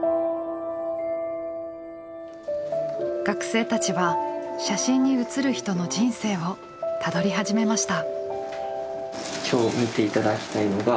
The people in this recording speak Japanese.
学生たちは写真に写る人の人生をたどり始めました。